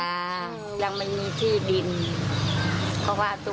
ไม่มีเลยแล้วมีใครส่งข่าวไหมคะแม่